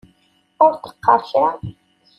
Ur d-qqaṛ kra.